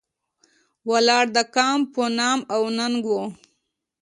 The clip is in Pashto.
ولاړ د کام په نام او ننګ و.